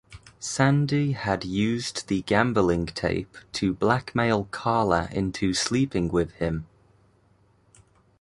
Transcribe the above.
Sandy had used the gambling tape to blackmail Carla into sleeping with him.